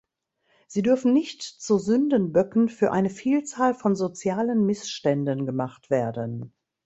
Sie dürfen nicht zu Sündenböcken für eine Vielzahl von sozialen Missständen gemacht werden.